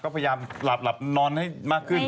ก็พยายามหลับนอนให้มากขึ้น